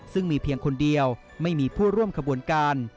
ซึ่งมีเพียงคนเดียวไม่มีผู้ร่วมขบวนการ